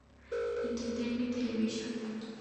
Entertainment Television'.